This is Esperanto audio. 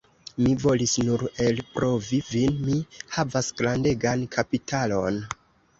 Mi volis nur elprovi vin, mi havas grandegan kapitalon!